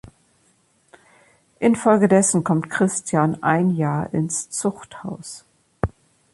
Infolgedessen kommt Christian ein Jahr ins Zuchthaus.